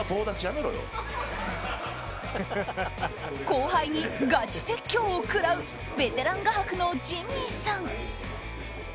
後輩にガチ説教を食らうベテラン画伯のジミーさん。